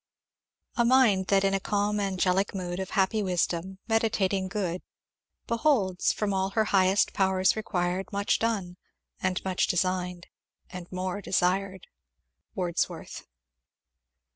A mind that in a calm angelic mood Of happy wisdom, meditating good, Beholds, of all from her high powers required, Much done, and much designed, and more desired. Wordsworth.